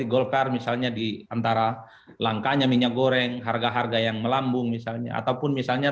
golkar misalnya diantara langkanya minyak goreng harga harga yang melambung misalnya ataupun misalnya